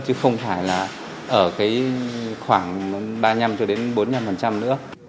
chứ không phải là ở khoảng ba mươi năm bốn mươi năm nữa